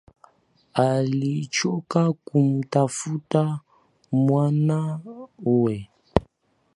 Alichoka kumtafuta mwanawe